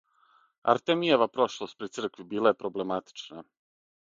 Артемијева прошлост при цркви била је проблематична.